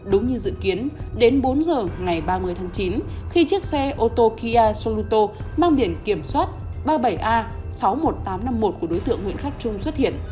đúng như dự kiến đến bốn h ngày ba mươi tháng chín khi chiếc xe ô tô kia soluto mang biển kiểm soát ba mươi bảy a sáu mươi một nghìn tám trăm năm mươi một của đối tượng nguyễn khắc trung xuất hiện